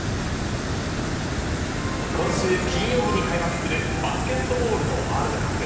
今週金曜日に開幕するバスケットボールのワールドカップ。